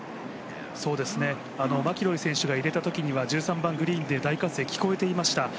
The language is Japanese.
マキロイ選手が入れたときには１３番グリーンで大歓声聞こえていました。